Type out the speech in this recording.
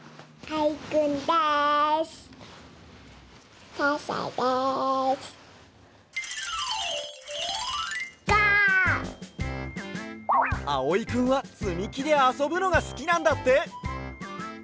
あおいくんはつみきであそぶのがすきなんだって！